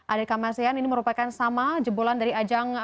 ada kamasean ini merupakan sama jebolan dari ajang